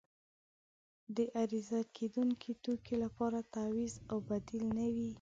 د عرضه کیدونکې توکي لپاره تعویض او بدیل نه وي.